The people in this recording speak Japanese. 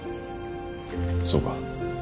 そうか。